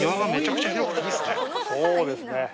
そうですね